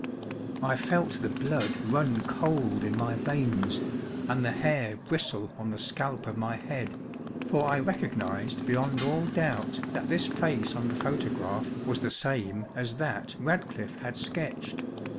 I felt the blood run cold in my veins and the hair bristle on the scalp of my head, for I recognised beyond all doubt that this face on the photograph was the same as that Radcliffe had sketched.